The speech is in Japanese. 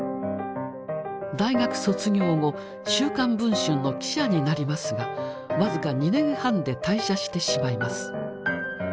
大学卒業後「週刊文春」の記者になりますが僅か２年半で退社してしまいます。